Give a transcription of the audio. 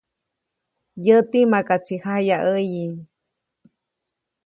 Yäti makaʼtsi jayaʼäyi.